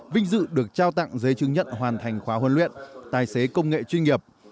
vinh dự được trao tặng giấy chứng nhận hoàn thành khóa huấn luyện tài xế công nghệ chuyên nghiệp